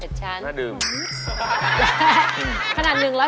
เสร็จฉันน่าดื่ม